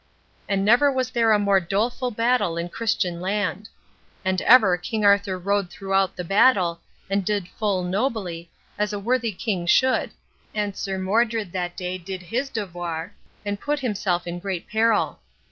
And never was there a more doleful battle in Christian land. And ever King Arthur rode throughout the battle, and did full nobly, as a worthy king should, and Sir Modred that day did his devoir, and put himself in great peril.